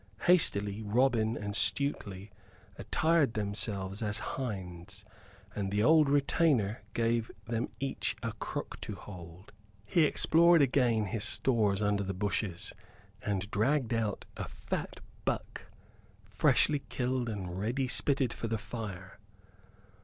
Hastily Robin and Stuteley attired themselves as hinds, and the old retainer gave them each a crook to hold. He explored again his stores under the bushes, and dragged out a fat buck, freshly killed and ready spitted for the fire.